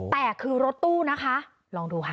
แต่คือรถตู้นะคะลองดูค่ะ